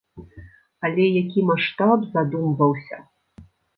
Але які маштаб задумваўся!